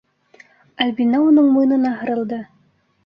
- Альбина уның муйынына һырылды.